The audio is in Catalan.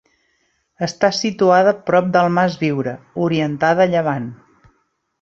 Està situada prop del Mas Viure, orientada a llevant.